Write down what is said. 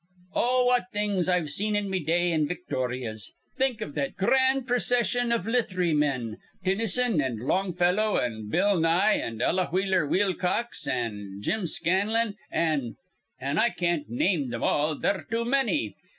"Oh, what things I've seen in me day an' Victorya's! Think iv that gran' procission iv lithry men, Tinnyson an' Longfellow an' Bill Nye an' Ella Wheeler Wilcox an' Tim Scanlan an' an' I can't name thim all: they're too manny.